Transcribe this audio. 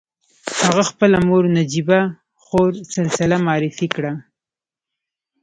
هغه خپله مور نجيبه خور سلسله معرفي کړه.